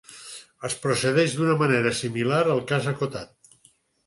Es procedeix d'una manera similar al cas acotat.